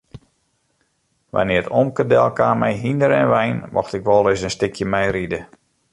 Wannear't omke delkaam mei hynder en wein mocht ik wolris in stikje meiride.